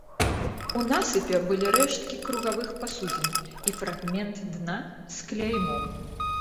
У насыпе былі рэшткі кругавых пасудзін і фрагмент дна з кляймом.